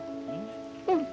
うん。